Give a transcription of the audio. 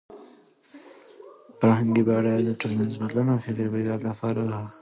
فرهنګي بډاینه د ټولنیز بدلون او د فکري بیدارۍ لپاره لاره هواروي.